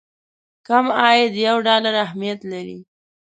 کم عاید یو ډالر اهميت لري.